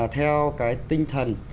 theo cái tinh thần